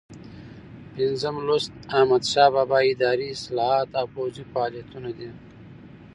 پنځم لوست د احمدشاه بابا اداري اصلاحات او پوځي فعالیتونه دي.